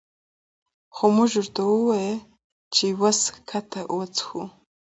خو مونږ ورته ووې چې وس ښکته وڅښو